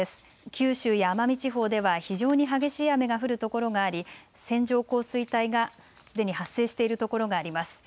九州や奄美地方では非常に激しい雨が降る所があり線状降水帯がすでに発生しているところがあります。